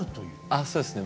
あっそうですね。